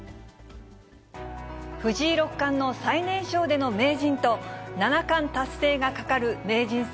藤井六冠の最年少での名人と、七冠達成がかかる名人戦